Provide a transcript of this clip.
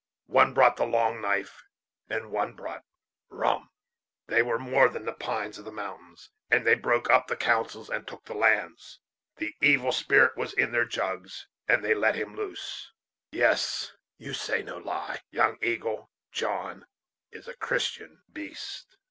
One brought the long knife and one brought rum. They were more than the pines on the mountains; and they broke up the councils and took the lands, The evil spirit was in their jugs, and they let him loose. Yes yes you say no lie, Young Eagle; John is a Christian beast."